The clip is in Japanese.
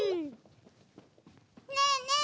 ねえねえ